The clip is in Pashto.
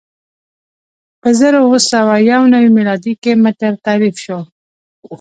په زر اووه سوه یو نوې میلادي کې متر تعریف شو.